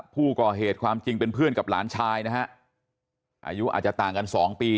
ผู้ก่อเหตุความจริงเป็นเพื่อนกับหลานชายนะฮะอายุอาจจะต่างกันสองปี